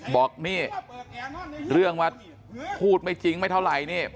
บอกนี่เรื่องว่าพูดไม่จริงไม่เท่าไหร่นี่